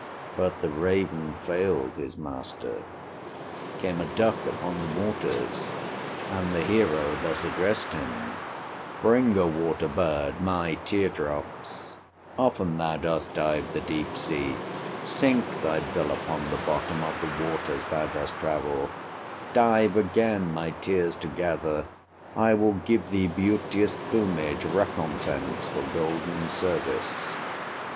But the raven failed his master. Came a duck upon the waters, And the hero thus addressed him: "Bring, O water bird, my tear drops; Often thou dost dive the deep sea, Sink thy bill upon the bottom Of the waters thou dost travel; Dive again my tears to gather, I will give thee beauteous plumage, Recompense for golden service."